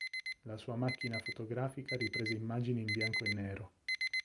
La sua macchina fotografica riprese immagini in bianco e nero.